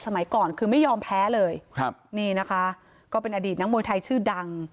สมัยก่อนคือไม่ยอมแพ้เลยครับนี่นะคะก็เป็นอดีตนักมวยไทยชื่อดัง